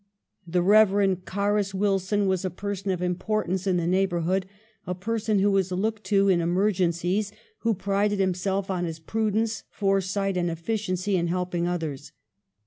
The Rev. Carus Wilson was a person of importance in the neighbor hood ; a person who was looked to in emer gencies, who prided himself on his prudence, foresight, and efficiency in helping others.